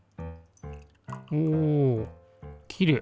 おきれい。